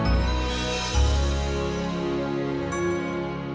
makasih mas dayat